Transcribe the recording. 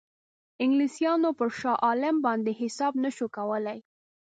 انګلیسانو پر شاه عالم باندې حساب نه شو کولای.